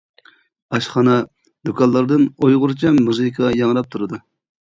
ئاشخانا، دۇكانلاردىن ئۇيغۇرچە مۇزىكا ياڭراپ تۇرىدۇ.